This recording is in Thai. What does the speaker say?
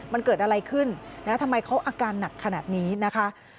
มันเกิดอะไรขึ้นทำไมเขาอาการหนักขนาดนี้นะคะ